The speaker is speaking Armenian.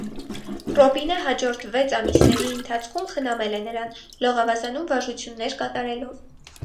Ռոբինը հաջորդ վեց ամիսների ընթացքում խնամել է նրան՝ լողավազանում վարժություններ կատարելով։